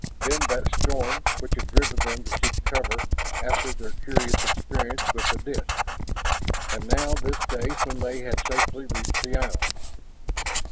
Then that storm which had driven them to seek cover after their curious experience with the disk. And now this day when they had safely reached the island.